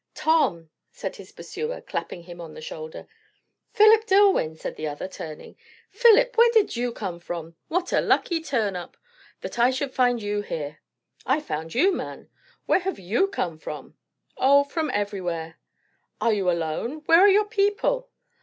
"Tom!" said his pursuer, clapping him on the shoulder. "Philip Dillwyn!" said the other, turning. "Philip! Where did you come from? What a lucky turn up! That I should find you here!" "I found you, man. Where have you come from?" "O, from everywhere." "Are you alone? Where are your people?"